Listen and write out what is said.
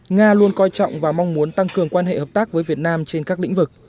nga luôn coi trọng và mong muốn tăng cường quan hệ hợp tác với việt nam trên các lĩnh vực